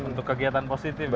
untuk kegiatan positif ya